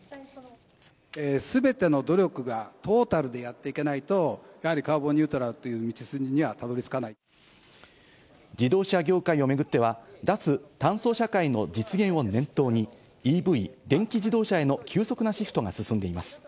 すべての努力がトータルでやっていけないと、やはりカーボンニュートラルっていう道筋にはた自動車業界を巡っては、脱炭素社会の実現を念頭に、ＥＶ・電気自動車への急速なシフトが進んでいます。